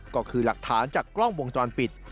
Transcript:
ก็คือหลักฐานจากกล้องวงจรปิด